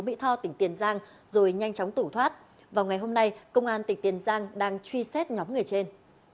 mỹ tho tỉnh tiền giang rồi nhanh chóng tẩu thoát vào ngày hôm nay công an tỉnh tiền giang đang truy xét nhóm người trên